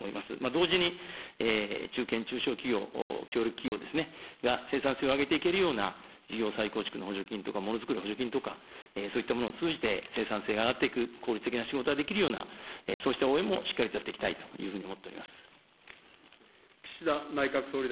同時に中堅中小企業、協力企業が生産性を上げていけるような事業再構築の再構築の補助金とか、ものづくりの補助金とか、そういったものを通じて、生産性が上がっていく、効率的な仕事ができるような、そうした応援もしっかりやっていきたいというふうに思っております。